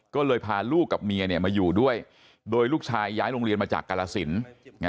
ก็เลยพาลูกกับเมียมาอยู่ด้วยโดยลูกชายย้ายโรงเรียนมาจากกรสิน